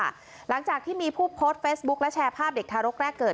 หลังจากที่มีผู้โพสต์เฟซบุ๊คและแชร์ภาพเด็กทารกแรกเกิด